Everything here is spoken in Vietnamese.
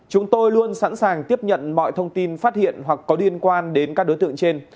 chúng tôi luôn sẵn sàng tiếp nhận mọi thông tin phát hiện hoặc có liên quan đến các đối tượng trên